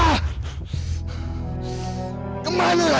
kenapa aku tak bisa menemukan jejak mereka